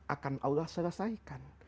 akan allah selesaikan